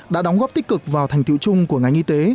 đã đóng góp tích cực vào thành tiệu chung của ngành y tế